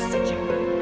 eh asik ya